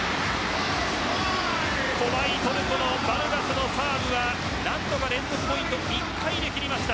怖いトルコのバルガスのサーブは何とか連続ポイント１回で切りました。